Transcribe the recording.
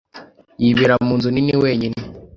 Yibera munzu nini wenyine.